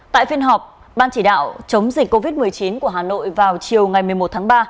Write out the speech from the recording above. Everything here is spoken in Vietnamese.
tại phiên họp ban chỉ đạo chống dịch covid một mươi chín của hà nội vào chiều ngày một mươi một tháng ba